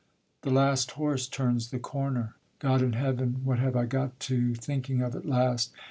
The last horse turns the corner. God in Heaven! What have I got to thinking of at last!